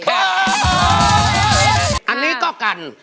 อันนี้ก็กัน